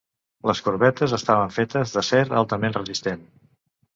Les cobertes estaven fetes d'acer altament resistent.